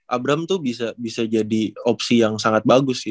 abraham tuh bisa jadi opsi yang sangat bagus